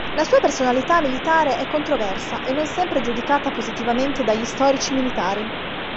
La sua personalità militare è controversa e non sempre giudicata positivamente dagli storici militari.